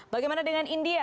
bagaimana dengan india